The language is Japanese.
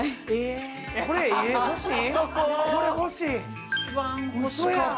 これ欲しい？